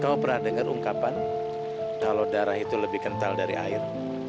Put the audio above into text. saya pernah dengar ungkapan kalau darah itu lebih kental dari air